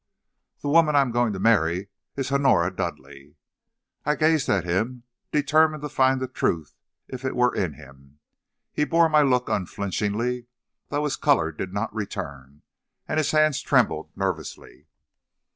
"'The woman I am going to marry is Honora Dudleigh.' "I gazed at him, determined to find the truth if it were in him. He bore my look unflinchingly, though his color did not return, and his hands trembled nervously.